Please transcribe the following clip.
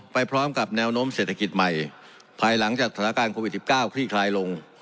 ไปพร้อมกับแนวโน้มเศรษฐกิจใหม่ภายหลังจากสถานการณ์โควิด๑๙คลี่คลายลง